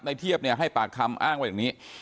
เทียบให้ปากคำอ้างไว้อย่างนี้